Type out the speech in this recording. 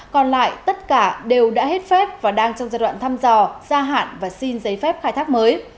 còn lại tất cả đều đã hết phép và đang trong giai đoạn thăm dò gia hạn và xin giấy phép khai thác mới